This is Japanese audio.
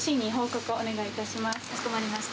かしこまりました。